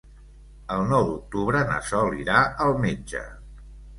El nou d'octubre na Sol irà al metge.